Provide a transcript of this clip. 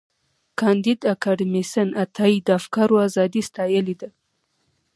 کانديد اکاډميسن عطایي د افکارو ازادي ستایلې ده.